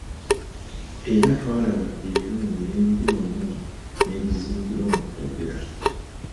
Era twalaba ebirungi n'ebibi wamu n'ebizingirwa mu kwogera.